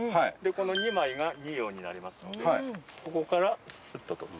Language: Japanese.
この２枚が二葉になりますのでここからスッと採る。